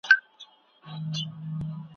مایکرو فلم ریډر له ساینس څخه رامنځته سوی دی.